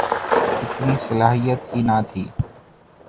اتنی صلاحیت ہی نہ تھی۔